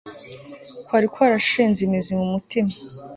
kwari kwarashinze imizi mu mutima